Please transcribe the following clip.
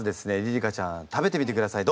りり花ちゃん食べてみてください。